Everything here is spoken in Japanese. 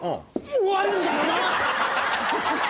終わるんだよな！